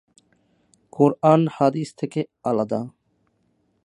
কোরআন হাদিস থেকে আলাদা।